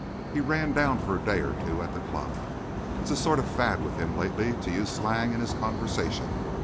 He ran down for a day or two at the club. It's a sort of fad with him lately to use slang in his conversation.